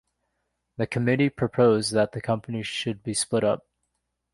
The committee proposed that the company should be split up.